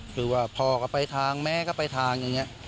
คือว่าพ่อก็ไปทางแม่ก็ไปทางอย่างนี้